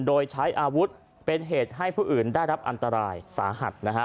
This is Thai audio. โดยใช้อาวุธเป็นเหตุให้ผู้อื่นได้รับอันตรายสาหัสนะฮะ